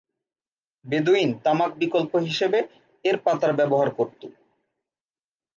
বেদুইন তামাক বিকল্প হিসেবে এর পাতার ব্যবহার করত।